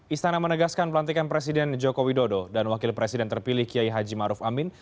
istana menegaskan pelantikan presiden joko widodo dan wakil presiden terpilih kiai haji maruf amin